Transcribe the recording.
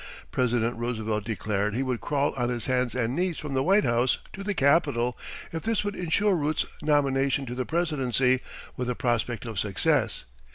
President Roosevelt declared he would crawl on his hands and knees from the White House to the Capitol if this would insure Root's nomination to the presidency with a prospect of success.